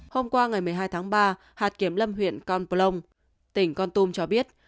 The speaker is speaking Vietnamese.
hôm qua ngày một mươi hai tháng ba hạt kiểm lâm huyện con plong tỉnh con tum cho biết